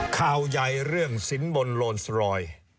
ข่าวใหญ่เรื่องสินบนโลนสรอย